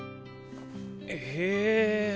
へえ。